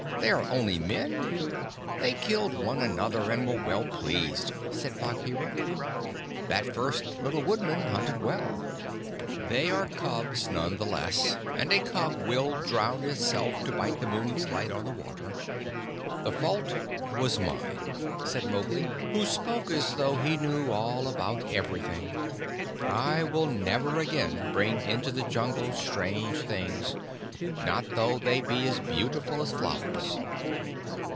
They are only men. They killed one another and were well pleased," said Bagheera. "That first little woodman hunted well." "They are cubs none the less; and a cub will drown himself to bite the moon's light on the water. The fault was mine," said Mowgli, who spoke as though he knew all about everything. "I will never again bring into the Jungle strange things not though they be as beautiful as flowers.